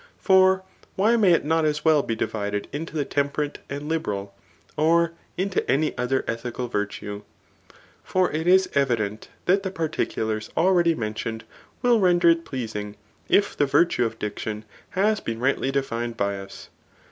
For why may it not as well be divided into the temperate and liberal, or into any other ethical virtues. For it is evident that the particulars already mentioned will render it pleasing, if the virtue of diction has been rightly defined by us.